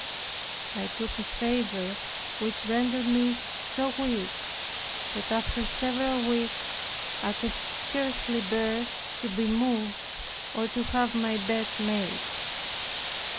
I took a fever, which rendered me so weak, that after several weeks I could scarcely bear to be moved or to have my bed made.